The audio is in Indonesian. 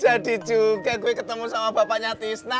jadi juga gue ketemu sama bapaknya tisna